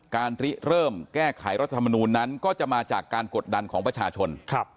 ริเริ่มแก้ไขรัฐธรรมนูลนั้นก็จะมาจากการกดดันของประชาชน